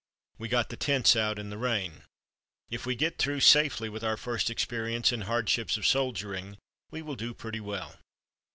We got the tents out in the rain. If we get through safely with our first experience in hardships of soldiering we will do pretty well."